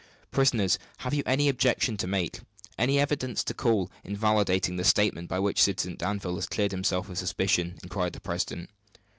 "Prisoners, have you any objection to make, any evidence to call, invalidating the statement by which Citizen Danville has cleared himself of suspicion?" inquired the president.